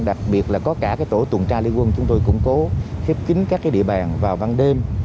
đặc biệt là có cả cái tổ tuần tra lý quân chúng tôi cũng cố khiếp kín các địa bàn vào văn đêm